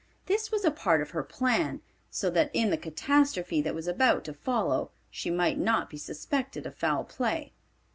This was a part of her plan, so that in the catastrophe that was about to follow, she might not be suspected of foul play.